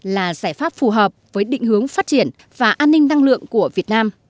là giải pháp phù hợp với định hướng phát triển và an ninh năng lượng của việt nam